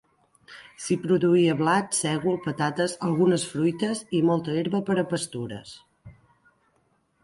S'hi produïa blat, sègol, patates, algunes fruites i molta herba per a pastures.